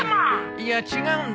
いや違うんだ。